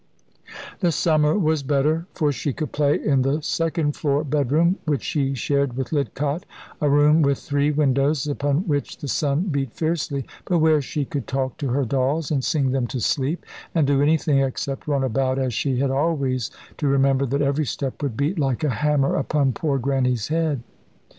The summer was better, for she could play in the second floor bedroom, which she shared with Lidcott, a room with three windows upon which the sun beat fiercely, but where she could talk to her dolls, and sing them to sleep, and do anything except run about, as she had always to remember that every step would beat like a hammer upon poor Grannie's head.